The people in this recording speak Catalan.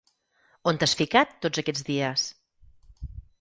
¿On t'has ficat, tots aquests dies?